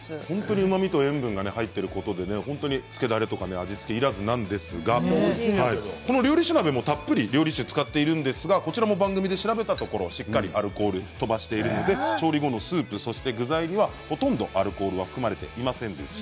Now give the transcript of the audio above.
うまみと塩分が入っているだけでつけだれと味付けいらずなんですが、料理酒鍋もたっぷり料理酒を使っていますが番組で調べたところしっかりアルコールを飛ばしているので、調理後のスープそして具材には、ほとんどアルコールが含まれていませんでした。